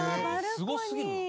「すごすぎるわ」